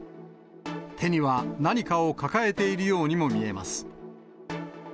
手には何かを抱えているようにも見えます。